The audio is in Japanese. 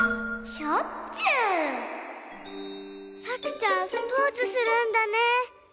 さくちゃんスポーツするんだね。